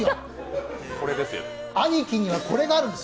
兄貴にはこれがあるんです